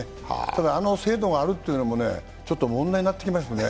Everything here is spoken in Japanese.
ただ、あの制度があるというのも問題になってきますね。